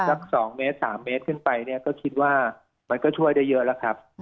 สัก๒เมตร๓เมตรขึ้นไปเนี่ยก็คิดว่ามันก็ช่วยได้เยอะแล้วครับ